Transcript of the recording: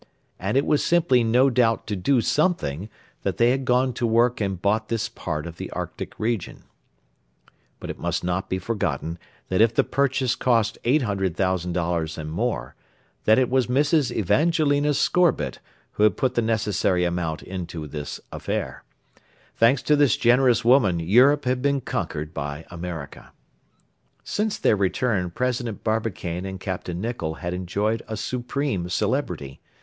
And it was simply no doubt to do something that they had gone to work and bought this part of the Arctic region. But it must not be forgotten that if the purchase cost $800,000 and more, that it was Mrs. Evangelina Scorbitt who had put the necessary amount into this affair. Thanks to this generous woman Europe had been conquered by America. Since their return President Barbicane and Capt. Nicholl had enjoyed a supreme celebrity.